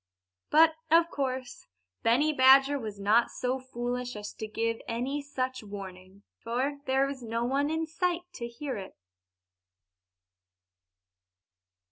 But, of course, Benny Badger was not so foolish as to give any such warning, for there was no one there to hear it.